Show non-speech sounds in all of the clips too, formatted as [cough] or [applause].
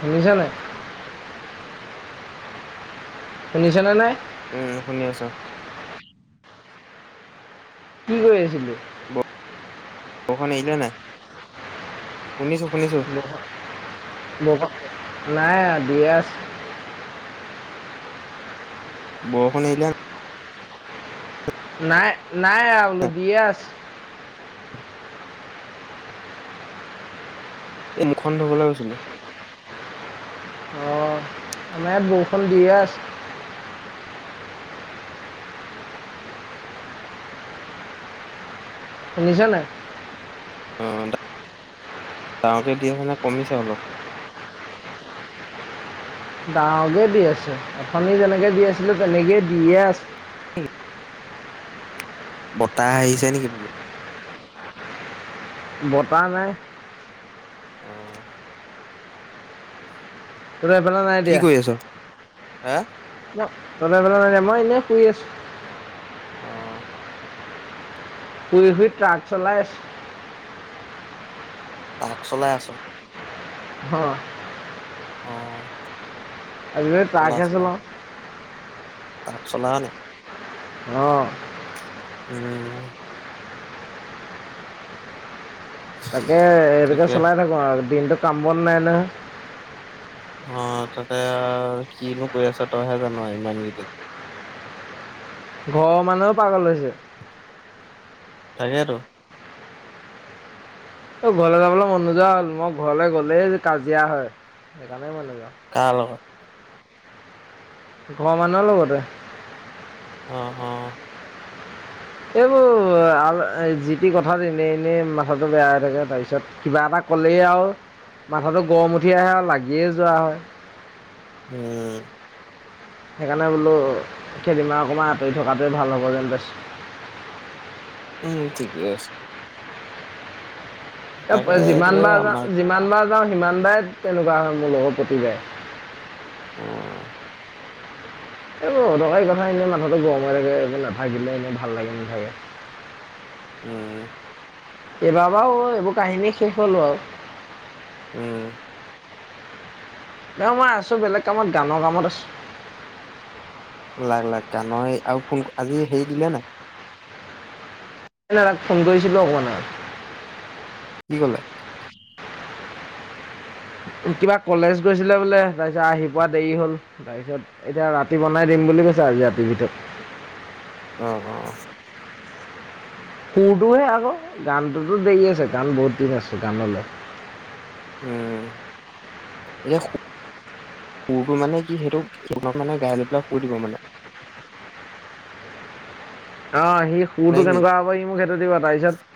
শুনিছ নাই। শুনিছেনে নাই? উম, শুনি আছো। কি কৰি আছিলি? বৰষুণ এৰিলে নাই? শুনিছো শুনিছো নাই, এৰা দিয়ে আছে। বৰষুণ এৰিলে নাই? নাই নাই এৰা বোলো দিয়ে আছে। এই মুখ খন ধুবলৈ গৈছিলোঁ। অ', আমাৰ য়াত বৰষুণ দিয়ে আছে। শুনিছানাই? অ', ডাঙৰকে দি আছেনে কমিছে অলপ? ডাঙকে দি আছো এথনি যেনেকৈ দি আছিলে তেনেকেই দিয়ে আছে। বতাহ আহিছে নেকি? বতাহ নাই। আহ। তহত সেইফালে নাই কি দিয়া। কৰি আছ? হা তলোই পেলাই নাই মই এনেই শুই আছো। আহ। পুৰি শুই ট্ৰাক চলাই আছে। তাক চলাই আছ। অ', অ', আজি কালি ট্ৰাকহে চলাওঁ। তাক চলাও নি? অ', উম, তাকে এইটোকে ঠিকে চলাই থাকো আৰু দিনটো কাম বন নাই না। অ', তাতে কিনো কৰি আছ তইহে জা ন' ইমানকেইদিন। ঘৰৰ মানুহও পাগল হৈছে। তাকে তো। অ', ঘৰলে যাবলৈ মন নোযোৱা হ'ল, মই ঘৰলে গ'লেই কাজিয়া হয় সেইকাৰণেই মই নাযাও। কাৰ লগত? ঘৰ মানুহৰ লগতে। অ ', অ', এইবোৰ আৰু যি টি কথাত এনেই এনেই মাথাটো বেয়া হৈ থাকে তাৰপিছত কিবা এটা ক'লেই আৰু মাথাটো গৰম উঠি আহে আৰু লাগিয়ে যোৱা হয়। উম, সেইকাৰণে বোলো কেইদিনমান অকণমান আঁতৰি থকাটোৱে ভাল হ'ব যেন পাইছোঁ। উম, ঠিকে আছে। তাকে এ এইটোৱে যিমানবাৰ যা আমাক যিমানবাৰ সিমান বাৰে তেনেকুৱা হয় মোৰ লগত প্ৰতিবাৰে। উম, এইটো অদৰকাৰী কথা এনে মাথাতে গৰম হৈ থাকে এ নাথাকিলে এনে ভাল লাগি নাথাকে। উম, এইবাৰৰ পৰা আৰু এইবোৰ কাহিনী শেষ হ'ল বাৰু। উম, ন মই আছোঁ বেলেগ কামত গানৰ কামত আছোঁ। লাগ লাগ গানৰে আৰু ফোন আজি হেৰি দিলে নাই? [unintelligible] ফোন কৰিছিলোঁ অকণমান আগত। কি কলে? কিবা কলেজ গৈছিলে বোলে তাৰপিছত আহি পোৱা দেৰি হ'ল তাৰপিছত এতিয়া ৰাতি বনাই দিম বুলি কৈছে আজি ৰাতিৰ ভিতৰত। অ', অ', অ', সুৰটোহে আক গানটোতো দেৰি আছে গান বহুত দিন আছে গানলৈ। উম, এতিয়া কোৰটো মানে কি সেইটো সাক মানে গাই লুবেলাক কু দিব মানে [unintelligible] অ সি নে সুৰটো কি কেনেকুৱা হ'ব সি মোক সেইটো দিবা তাৰপিছত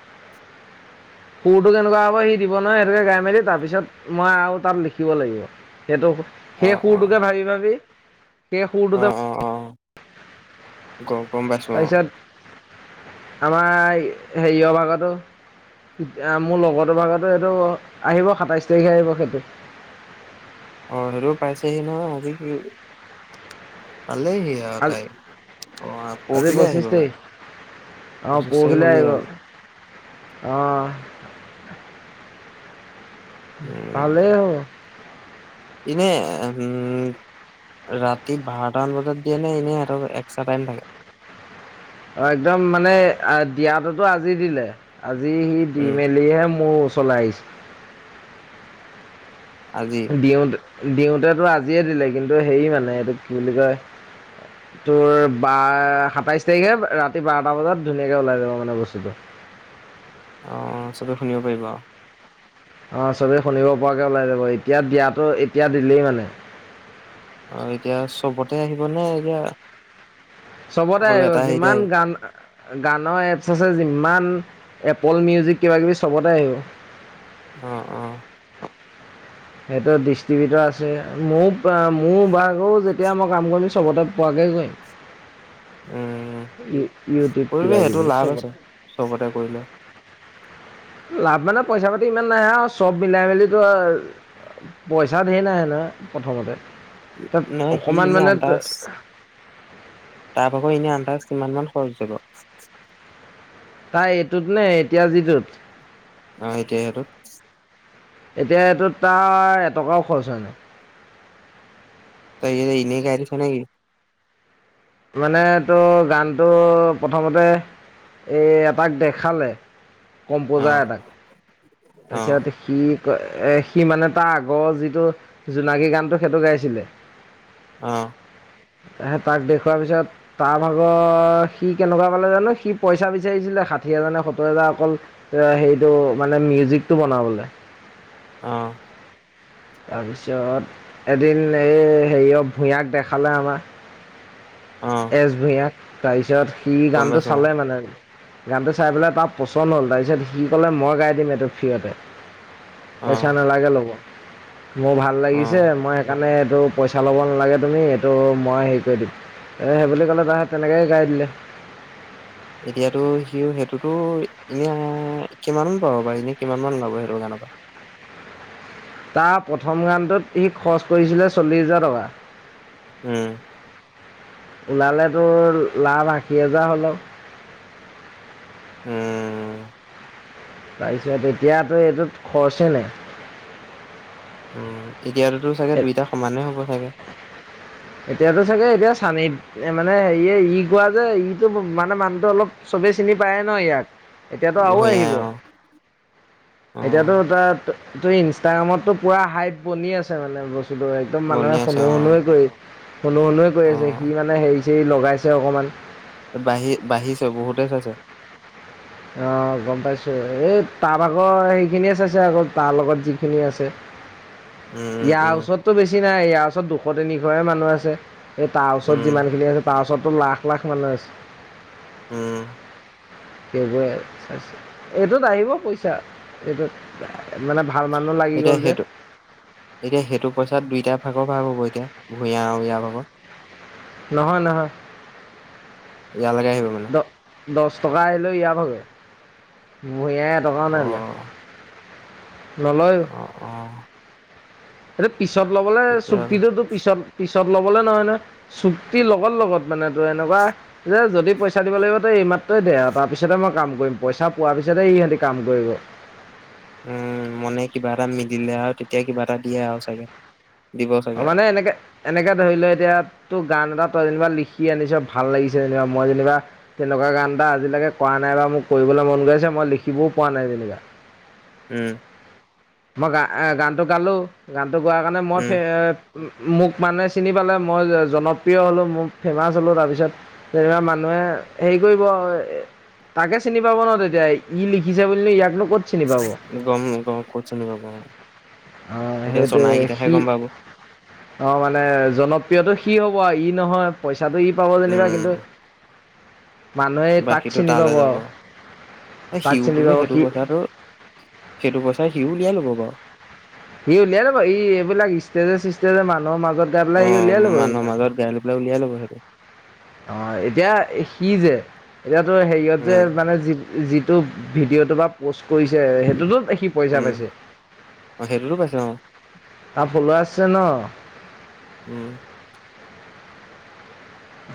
[inaudible] সুৰটো কেনেকুৱা হ'ব সি দিব নহয় সেইটোকে গাই মেলি তাৰপিছত মই আৰু তাত লিখিব লাগিব সেইটো অ সেই অ সুৰটোকে ভাবি ভাবি পে ফুৰটো অ যে অ অ গ গম পাইছোঁ অ', তাৰপিছত আমাৰ সেৰিয়ৰ ভাগৰটো য়া মোৰ লগৰতোৰ ভাগৰতো এইটো আহিব সাতাইশ তাৰিখে আহিব সেইটো। অ', সেইটোও পাইছেহি নহয় আজি পালেইহি আৰু আজ তাই অ, পৰহিলে আহিব মানে। অ পঁচিশ তাৰিখ পৰহিলৈ হ'লেই আহিব আজি অ ভালেই হ'ব ইনে উম ৰাতি বাৰটামান বজাত দিয়ে নে এনেই হেঁতৰ এক্সট্ৰা টাইম থাগে অ একদম মানে দিয়াততো আজি দিলে আজি সি দি উম মেলিহে মোৰ চলাই আহিছে আজি দিওঁতে দিওঁতেটো আজিয়ে দিলে কিন্তু হেৰি মানে এইটো কি বুলি কয় তোৰ বা সাতাইশ তাৰিখে ৰাতি বাৰটা বজাত ধুনীয়াকে ওলাই যাব মানে বস্তুটো আহ চবে শুনিব পাৰিবা অ চবেই শুনিব পৰাকৈ ওলাই যাব এতিয়া দিয়াাতো এতিয়া দিলেই মানে অ এতিয়া চবতে আহিব নে এতিয়া চবতে অকল আহিব এটা হেৰিতে যিমান গান গানৰ এপছ আছে যিমান এপল মিউজিক কিবা কিবি চবতে আহিব আহ আহ সিহতৰ ডিষ্ট্ৰিবিউটৰ আছে ময় মোৰ ভাগও যেতিয়া মই কাম কৰিম চবতে পোৱৈ সেগণ উম, ইউটিউব কৰিবি কিবা সেইটো কিবি লাভ আছে চবতে চবতে কৰিলে। লাভ মানে পইচা পাতি ইমান নাইে আৰু চব মিলাই মেলিো পইচা েৰ নাইে নহয় প্ৰথমতে তাত নহয় সি অকণমান এনে মানে [unintelligible] আন্দাজ তাৰ ভাগ এনে আনতাছ কিমানমান খৰচ হৈছে বাও তাই এইটোত নে এতিয়া যিটোত অ এতিয়া আৰুটো এতিয়া এইটো তাৰ এটকাও খৰচ হয় নাই তই ইনেই গাড়ীখন নে কিি মানে তো গানটো প্ৰথমতে এ এটাক দেখালে কম্পজাৰ অ', এটাক অ', তাৰছিছত সি সি মানে তাৰ আগৰ যিটো জোনাকী গানটো সেইটো গাইছিলে অ তাক দেখ থোৱাৰ পিছত তাৰ ভাগত সি কেনেকুৱা পালে জানো সি পইচা বিচাৰিছিলে ষাঠি হাজাৰ নে সত্তৰ হাজাৰ অকল হেটো মানে মিউজিকটো বনাবলৈ আহ তাৰপিছত এদিন এই হেৰি অ ভূঞাক দেখালে আমাৰ অ', এছ ভূঞাক তাৰপিছত সি গম গানটো পাইছোঁ চালে মানে গানটো চাই পেলাই তাৰ পচন্দ হ'ল তাৰপিছত সি ক'লে মই গাই দিম এইটো ফ্ৰতে অ', অ'। পইচা নালাগে ল'ব মোৰ ভাল লাগিছে, অ', মই সেইকাৰণে এইটো পইচা ল'ব নালাগে, তুমি এইটো মই হেৰি এই সেইবুলি ক'লে তাহে তেনেকৈে গাই দিলে। এতিয়াতো সি সেইটোতো এনে কিমান পাব বা এনে কিমান মান লাব সেইটো গান। অ' তাৰ প্ৰথম গানটোত সি খৰচ কৰিছিলে চল্লিছ হোজাৰ টকা। উম। ওলালেতো লাভ আশী হাজাৰ হ'লেও উম তাৰপিছত এতিয়াতো এইটোত খৰচেই ন উম এতিয়াততো চাগে দুইটা সমানে হ'ব চাগে চানেই মানে হেয়ে ই কোৱা যে ইটো মানে মানুহটো অলপ চবে চিনি পায় ন ইয়াক এতিয়াতো আ ভূঞাই আহিব অ', এতিয়াতো অ', তাত ত ইনষ্টাগ্ৰামতটো পুৰা হাইপ বনি আছে মানে বস্তু ছিল একদম বনি মানুহে শুন আছে অ', শুনোৱে কৰি শুনো শুনোৱে কৰি আছে অ', সি মানে হেৰি চেৰি লগাইছে অকণমান। বাঢ়ি বাঢ়িছে বহুতে চাইছে। অ' গ'ম পাইছো। এই তাৰ ভাগৰ সেইখিনিয়ে চাইছে আকৌ তাৰ লগত যিখিনি আছে। [unintelligible] উম, উম, ইয়াৰ ওচৰতো বেছি নাই ইয়াৰ ওচৰত দুশ তিনিশহে মানুহ আছে এই তাৰ ওচৰত উম, যিমানখিনি আছে তাৰ ওচৰতো লাখ লাখ মানুহ আছে। উম। সেইবোৰোই এইটোত আহিব পইচা এইটোত মানে ভাল মানুহ লাগি এতিয়া গ'ল যে সেইটো এতিয়া সেইটো পইচা দুইটা ভাগৰ ভাগ হ'ব এতিয়া ভূঞা ইয়াৰ ভাগত নহয়, নহয়। ইয়ালকে আহিব মানে। দ দহ টকা আহিলেও ইয় ভাগে ভূঞাই এটকাও নাই লোৱা। অ', অ' অ' এটো পিছত ল'বলৈ তেতিয়া চুক্তিটোতো পিছত পিত পিছত ল'বলৈ নহয়, নহয় চুক্তি লগত লগত মানে তোৰ এনেকুৱা যদি পইচা দিব লাগিব এই মাহ তেই দে তাৰ পিছতে মই কাম কৰিম পইচা পোৱাৰ পিছতে ইহঁতি কাম কৰিব। উম, মনে কিবা এটা মিলিলে আৰু তেতিয়া কিবা এটা দিয়ে আৰু চাগে। দিব চাগে অ' আৰু মানে এনেকে এনেকে ধৰি লওঁ এতিয়া তো গান এটা তই যেনিবা লিখি আনিছ ভাল লাগিছে যেনিবা মই যেনিবা তেনেকুৱা গান এটা আজিলৈকে কৰা নাই মোক কৰিবলৈ মন গৈছে মই লিখিবও পোৱা নাই তেনেকা উম। মই গা এ গানটো গালো গানটো গোৱাৰ কাৰণে মই উম, ফে এ মোক মানুহে চিনি পালে মই জনপ্ৰিয় হ'লোঁ মোৰ ফেমাওচ হ'লো তাৰপিছত যেনা মানুহে হেৰি কৰিব তাকে চিনি পাব ন। তেতিয়া ই লিখিছে বুলি নো ইয়াকনো গ'ম গমকে অ' সেইটো জনাইকেইটাহে সি গম পাব অ' মানে জনত প্ৰিয়তাটো সি হ'ব ই নহয় পইচাটো ই পাব যেনিবা, কিন্তু উম, মানুহে তাক বাকীটো চিনি তালৈ পাব যাব আৰু তাক চিনি সিউটোতো পাব সেইটো সি পইচা সেইটো পইচাৰ সিও উলিয়াই ল'ব বাৰু। সি উলিয়াই ল'ব ই এইবিলাক ইষ্টেজে চিষ্টেজে মানুহৰ মাজত গাই পেলাই সি উলিয়াই অ' ল'ব মানুহৰ এইবিলাক মাজত গাই লৈ পেলাই উলিয়াই ল'ব সিহঁতে। অ' এতিয়া সি যে এতিয়াতো হেৰিয়ত যে উম, মানে যি যিটো ভিডিঅ'টো বা প'ষ্ট কৰিছে সেইটোতোি পইচা উম, পাইছে। অ', সেইটোতো পাইছে অ', আ ফলুৱাছ আছে ন। উম।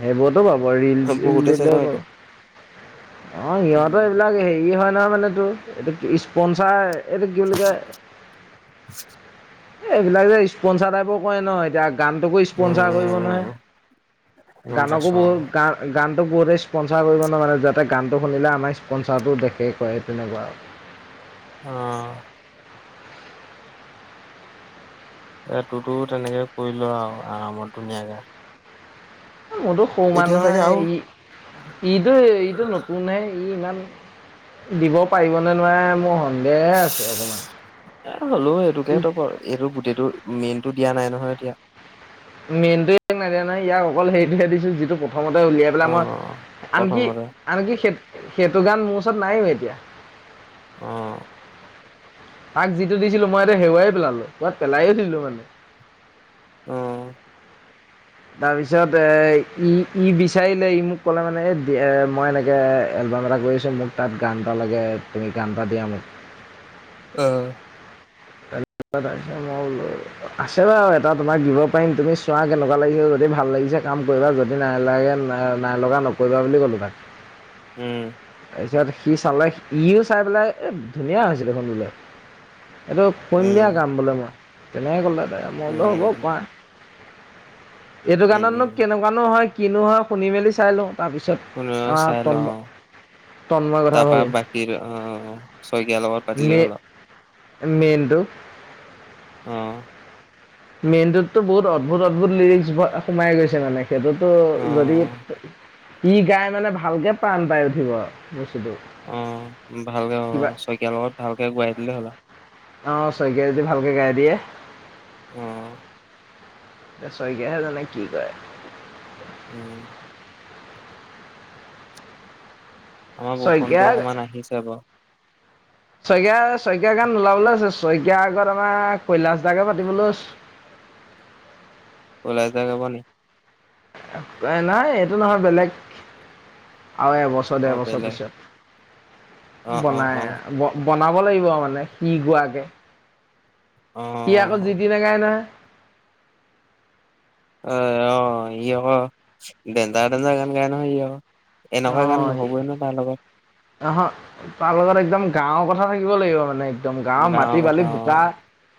সেইবোৰতো পাব ৰিল চিল বহুতে চাইছে দিলে ন পাব। অ সিহঁতৰ উম এইবিলাক হেৰি হয় নহয় মানেটো এইটো স্পনচাৰ এইটো কি বুলি কয় এই এইবিলাক যে স্পনচাৰ ট্ৰাইপৰ কয় ন এতিয়া গানটোকো স্পনচাৰ কৰিব নহয় উম গম গানকো পাইছো বহুত গ গান বহুতে স্পনচাৰ কৰিব ন তাতে গানটো শুনিলে আমাৰ স্পনচাৰটো দেখে কৰে তেনেকুৱা আৰু আহ। এ তোৰতো তেনেকে কৰিলো আৰু আৰামত ধুনীয়াকে মোৰতো সৌ এতিয়া চাগে মানুহে আৰু ই ইটো ইটো নতুনহে ই ইমান দিব পাৰিবনেে নোৱাৰাৰে মোৰন এ হ'লো ই এইটোকে ত কৰ এইটো গোটেইটো মেইনতটো দিয়া নাই নহয় এতিয়া মেইনটটোে নাই দিয়া নাই ইয়াক অকল হেৰিটোহে দিছো যিটো প্ৰথমতে উলিয়াই অ পেলাই মই আনকি প্ৰথমতে আনকি সে সেইটো গান মোৰ ওচৰত নাইও এতিয়া অহ তাক যিটো দিছিলো মই এতিয়া হেৰুৱাই পেলালো পাত পেলাই উঠিলো মানে অহ তাৰ পিছত এ ই ই বিচাৰিলে ই মোক কলে মানে এ এ মই এনেকে এলবাম এটা কৰিছোঁ মোক তাত গান এটা লাগে তুমি গান এটা দিয়া মোক অহ মই বোলো আছে বাৰু এটা তোমাক দিব পাৰিম তুমি চোৱা কেনেকুৱা লাগিব যদি ভাল লাগিব পিছে কাম কৰিবা যদি নালাগে নাইলগা নকৰিবা বুলি ক'লোঁ তাক উম তাৰপিছত সি চালে সিও চাই পেলাই এই ধুনীয়া হৈছিল দেখোন এইটো খুন উম দিয়া কাম বোলে মই তেনেকে ক'লে মইতো হ'ব উম কাই এইটো উম গানতনো উম কেনেকুৱানো হয় কিনো হয় শুনি মেলি চাই লওঁ তাৰপিছত তল তপা বাকীৰ অ চ বদল হল মেইলটো অহ মেইনটোতো বহুত অদ্ভূত অদ্ভুত লিৰিচ সোমাই গৈছে মানে সেইটোতো অ যদি ই গাই মানে ভালকে প্ৰাণ পাই উঠিব আৰু অ ভালকে হ'ব শইকীয়াৰ লগত ভালকে ঘূৰাই দিলে হ'লা অ শইকীয়া যদি ভালকে গাই দিয়ে উম এ শইকীয়াহে জানে কি কৰে উম আমাৰ শইকীয়া বৰষুণটো অকমান আহিছে বাৰ শইকীয়া শইকীয়া গান ওলাবলৈ আছে শইকীয়া আগত আমাৰ কৈলাশ দাকে পাতিবলৈ আছে ওলাই যাকাবনি নাই এইটো নহয় বেলেগ আৰু এবছৰ অ ডৰ বছৰ বেলেগ পিছত অ অ বনাই অ বনাব লাগিব মানে সি গোৱাকে অ অ সি আকৌ জিতি নে গায় নহয় অ অ ই এ এন্তদ জাগান গাইানো অ এনেকুৱা গান অঁ নহবই ন তাৰ লগত অহ তাৰ লগত একদম গাঁওৰ কথা থাকিব লাগিব মানে একদম গাঁৱৰ মাটি কথা বালি অ বোকা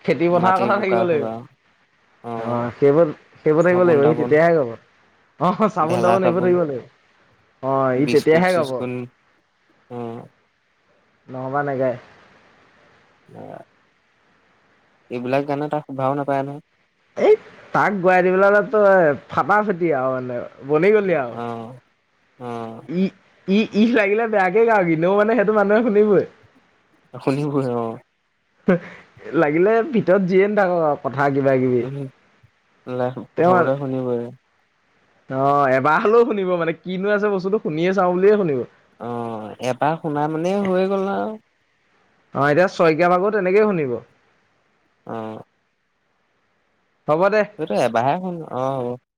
খেতি পথাৰৰ মাটি কথা বোকা থাকিব চোকা লাগিব অ সেইবত সেইবতাকিব চাবোন লাগিব সি তাবোন তেতিয়াহে কব অ' চাবোন তাবোন হেইবোৰ থাকিব লাগিব, অ' ই তেতিয়াহে গাব। উম। নহ'বা নাগাই। নাগায় এইবিলাক গানে তাক শুধাও নাপায় নহয় এই তাক গুৱাই দি পেল তো এ ফটা ফেটি আৰু মানে বনি গলি আৰু উম ই ই ইথলাগিলে বেয়াকে গাও কিনেও মানে সেইটো মানুহে শুনিবই শুনিব অ লাগিলে ভিতৰত যিয়ে নাথাকক আ উ লাই তেওঁ প্ৰথমতে শুনিবই অ এবাৰ হলেও শুনিব মানে কিনো আছে বস্তুটো শুনিয়ে চাও বুলিয়ে শুনিব অ' এবাৰ শুনা মানে হৈ গ'ল আৰু অ' এতিয়া শইকীয়া ভাগৰ তেনেকেই শুনিব আহ হ'ব দে। হেনো এবাৰ হে খুন অ'।